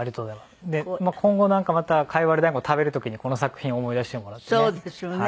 今後なんかまたかいわれ大根を食べる時にこの作品を思い出してもらってね。